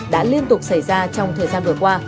đã liên tục xảy ra trong thời gian vừa qua